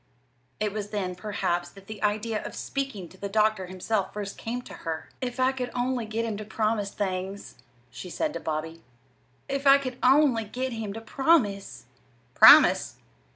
It was then, perhaps, that the idea of speaking to the doctor himself first came to her. "If I could only get him to promise things!" she said to Bobby. "If I could only get him to promise!" "Promise?"